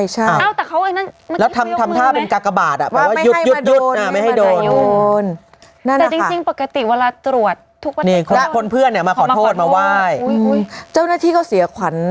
เจ้าหน้าที่เขาเสียขวัญ